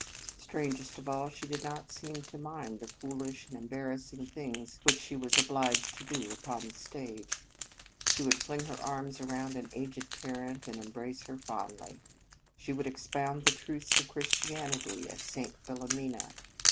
Strangest of all, she did not seem to mind the foolish and embar rassing things which she was obliged to do upon the stage. She would fling her arms around an aged parent, and embrace her fondly. She would ex pound the truths of Christianity, as St. Philomena.